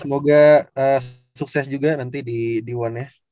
semoga sukses juga nanti di one nya